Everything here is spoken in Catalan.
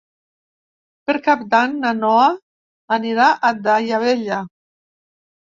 Per Cap d'Any na Noa anirà a Daia Vella.